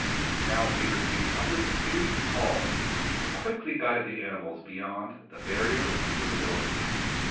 Now the beaver King uttered a series of calls that quickly guided the animals beyond the Barrier of Invisibility.